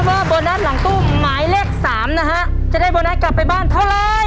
มาดูโบนัสหลังตู้หมายเลข๔นะครับว่าจะได้โบนัสกลับไปบ้านเท่าไร